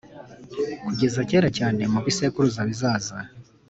kugeza kera cyane, mu bisekuruza bizaza.